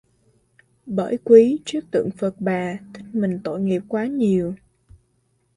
Bởi quý trước tượng Phật Bà thích mình Tội nghiệp quá nhiều